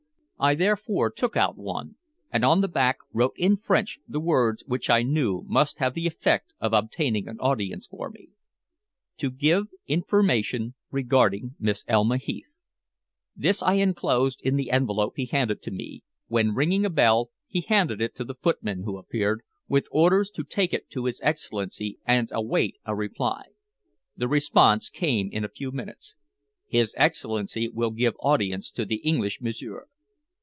I therefore took out one, and on the back wrote in French the words which I knew must have the effect of obtaining an audience for me: "To give information regarding Miss Elma Heath." This I enclosed in the envelope he handed to me, when, ringing a bell, he handed it to the footman who appeared, with orders to take it to his Excellency and await a reply. The response came in a few minutes. "His Excellency will give audience to the English m'sieur."